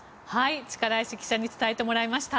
力石記者に伝えてもらいました。